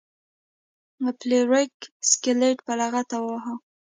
فلیریک سکلیټ په لغته وواهه.